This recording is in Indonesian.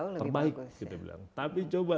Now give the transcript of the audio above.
lebih bagus terbaik kita bilang tapi coba